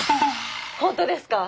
本当ですか！